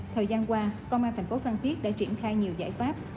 thời gian qua công an thành phố phan thiết đã triển khai nhiều giải pháp